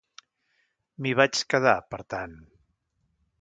M'hi vaig quedar, per tant.